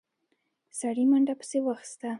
سړي منډه پسې واخيسته.